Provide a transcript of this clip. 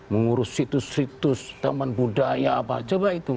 mengurus situs situs teman budaya apa apa